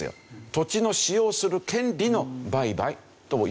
土地を使用する権利の売買という事なんですね。